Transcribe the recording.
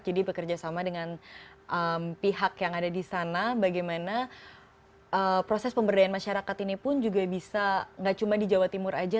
jadi bekerja sama dengan pihak yang ada di sana bagaimana proses pemberdayaan masyarakat ini pun juga bisa gak cuma di jawa timur aja